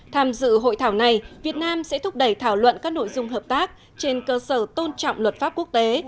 tham dự hội thảo này việt nam sẽ thúc đẩy thảo luận các nội dung hợp tác trên cơ sở tôn trọng luật pháp quốc tế